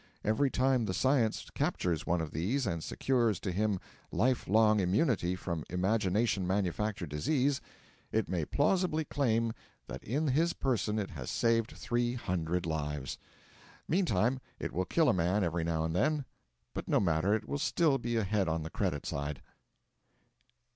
Every time the Science captures one of these and secures to him life long immunity from imagination manufactured disease, it may plausibly claim that in his person it has saved 300 lives. Meantime it will kill a man every now and then; but no matter, it will still be ahead on the credit side.